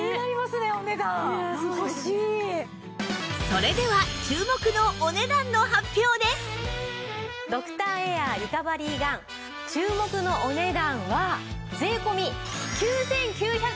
それではドクターエアリカバリーガン注目のお値段は税込９９００円です。